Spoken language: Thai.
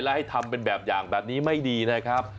และให้ทำเป็นแบบอย่างแบบนี้ไม่ดีนะครับ